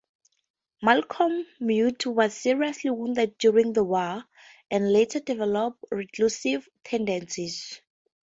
Malcolm Munthe was seriously wounded during the war, and later developed reclusive tendencies.